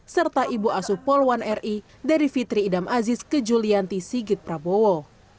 serta ibu asuh poluan ri dari fitri idam aziz ke julianti sigit prabowo